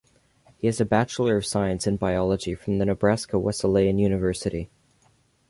He has a Bachelor of Science in Biology from the Nebraska Wesleyan University.